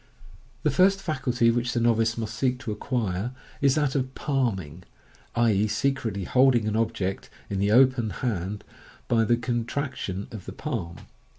MODERN MAGIC, 14? The first faculty which the novice must seek to acquire is that oil " palming "— i,e., secretly holding an object in the open hand by the contraction of the palm.